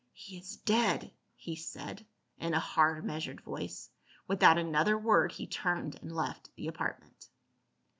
" He is dead," he said in a hard measured voice. Without another word he turned and left the apartment.